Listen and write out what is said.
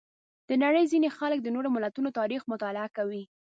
د نړۍ ځینې خلک د نورو ملتونو تاریخ مطالعه کوي.